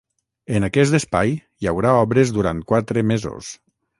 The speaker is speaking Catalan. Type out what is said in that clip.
En aquest espai hi haurà obres durant quatre mesos.